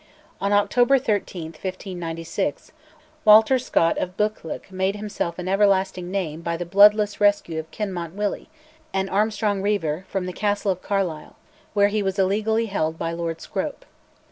On April 13, 1596, Walter Scott of Buccleuch made himself an everlasting name by the bloodless rescue of Kinmont Willie, an Armstrong reiver, from the Castle of Carlisle, where he was illegally held by Lord Scrope.